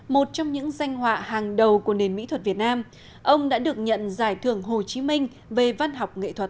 một trong những danh họa hàng đầu của nền mỹ thuật việt nam ông đã được nhận giải thưởng hồ chí minh về văn học nghệ thuật